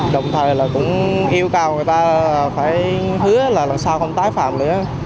đồng thời là cũng yêu cầu người ta phải hứa là lần sau không tái phạm nữa